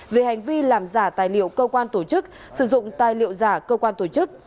về hành vi làm giả tài liệu cơ quan tổ chức sử dụng tài liệu giả cơ quan tổ chức